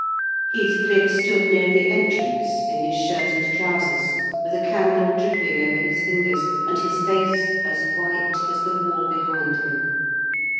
Heathcliff stood near the entrance, in his shirt and trousers; with a candle dripping over his fingers, and his face as white as the wall behind him.